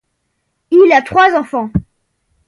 Il a trois enfants.